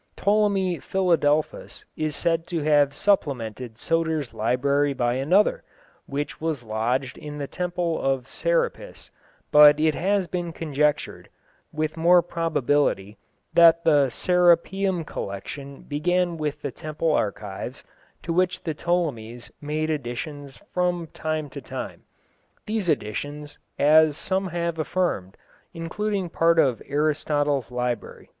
Ptolemy Philadelphus is said to have supplemented Soter's library by another, which was lodged in the Temple of Serapis, but it has been conjectured, with more probability, that the Serapeum collection began with the temple archives, to which the Ptolemies made additions from time to time; these additions, as some have affirmed, including part of Aristotle's library.